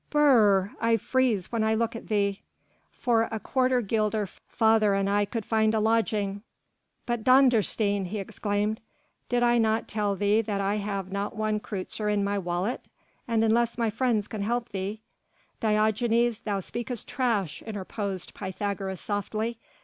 Brrr! I freeze when I look at thee...." "For a quarter guilder father and I could find a lodging...." "But Dondersteen!" he exclaimed, "did I not tell thee that I have not one kreutzer in my wallet, and unless my friends can help thee...." "Diogenes thou speakest trash," interposed Pythagoras softly.